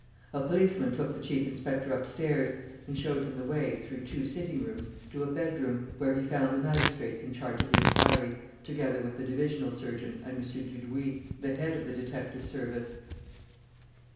A policeman took the chief inspector upstairs and showed him the way, through two sitting rooms, to a bedroom, where he found the magistrates in charge of the inquiry, together with the divisional surgeon and M. Dudouis, the head of the detective service.